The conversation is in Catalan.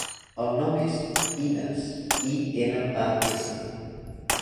El nom és Inas: i, ena, a, essa.